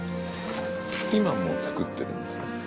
今も作ってるんですか？